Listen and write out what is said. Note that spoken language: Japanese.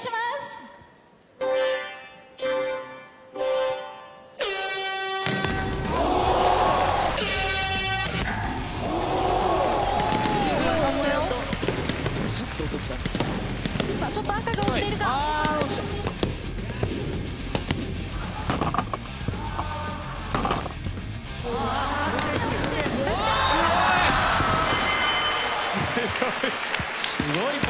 すごい！